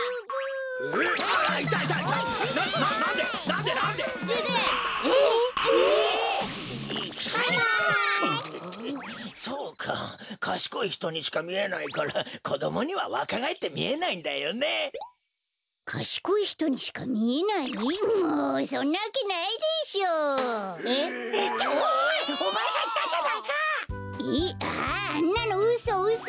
あああんなのうそうそ。